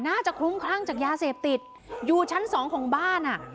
คลุ้มคลั่งจากยาเสพติดอยู่ชั้นสองของบ้านอ่ะ